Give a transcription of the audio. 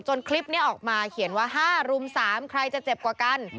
คลิปนี้ออกมาเขียนว่า๕รุม๓ใครจะเจ็บกว่ากัน